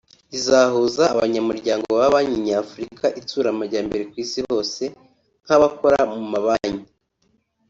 izahuza abanyamuryango ba Banki Nyafurika Itsura Amajyambere ku isi hose nk’abakora mu ma banki